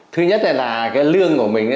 thứ nhất là cái lương của mình